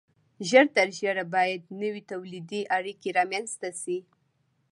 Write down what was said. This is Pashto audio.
ژر تر ژره باید نوې تولیدي اړیکې رامنځته شي.